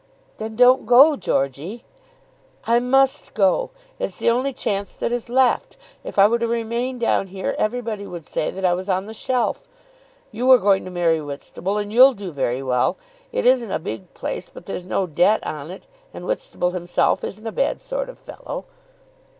"Then don't go, Georgey." "I must go. It's the only chance that is left. If I were to remain down here everybody would say that I was on the shelf. You are going to marry Whitstable, and you'll do very well. It isn't a big place, but there's no debt on it, and Whitstable himself isn't a bad sort of fellow."